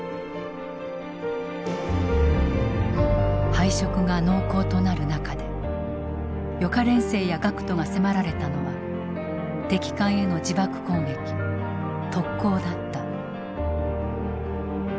敗色が濃厚となる中で予科練生や学徒が迫られたのは敵艦への自爆攻撃特攻だった。